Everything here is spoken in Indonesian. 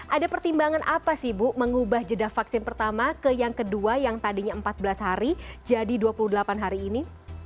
ada pertimbangan apa sih bu mengubah jeda vaksin pertama ke yang kedua yang tadinya empat belas hari jadi dua puluh delapan hari ini